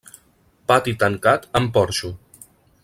Pati tancat amb porxo.